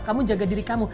kamu jaga diri kamu